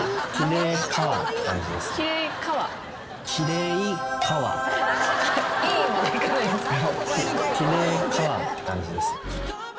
キレイカワって感じです。